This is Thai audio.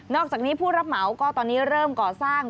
อกจากนี้ผู้รับเหมาก็ตอนนี้เริ่มก่อสร้าง